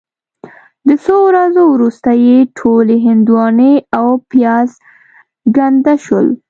د څو ورځو وروسته یې ټولې هندواڼې او پیاز ګنده شول.